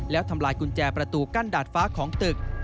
แล้วทำลายกุญแจประตูกั้นดาดฟ้าของตึก